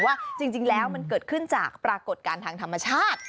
ว่าจริงแล้วมันเกิดขึ้นจากปรากฏการณ์ทางธรรมชาติ